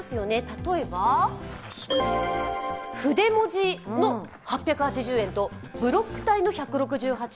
例えば筆文字の８８０円とブロック体の１６８円。